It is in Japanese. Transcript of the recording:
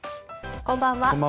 こんばんは。